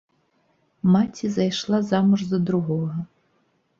Маці зайшла замуж за другога.